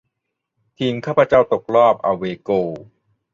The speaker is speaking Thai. ทีมข้าพเจ้าตกรอบอะเวย์โกล